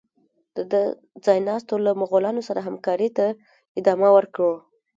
د ده ځای ناستو له مغولانو سره همکارۍ ته ادامه ورکړه.